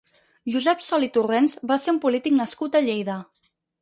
Josep Sol i Torrents va ser un polític nascut a Lleida.